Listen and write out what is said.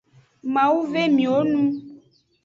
Mawu ve miwo nu.